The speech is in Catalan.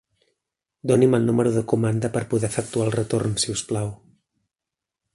Doni'm el número de comanda per poder efectuar el retorn, si us plau.